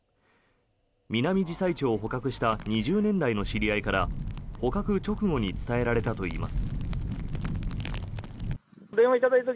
ミナミジサイチョウを捕獲した２０年来の知り合いから捕獲直後に伝えられたといいます。